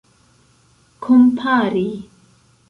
kompari